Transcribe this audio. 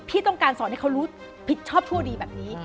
พี่ต้องการสอนให้เขารู้ผิดชอบชั่วดีแบบนี้